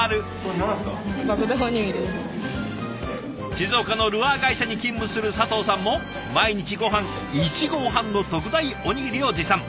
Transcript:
静岡のルアー会社に勤務する佐藤さんも毎日ごはん１合半の特大おにぎりを持参。